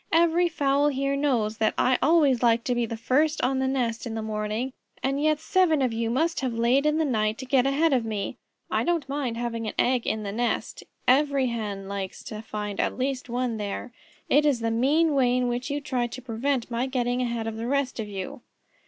Every fowl here knows that I always like to be the first on the nest in the morning, and yet seven of you must have laid in the night to get ahead of me. I don't mind having an egg in the nest. Every Hen likes to find at least one there. It is the mean way in which you tried to prevent my getting ahead of the rest of you."